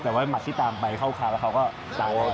แต่ว่ามัดที่ตามไปเข้าข้าวแล้วเขาก็ตามไป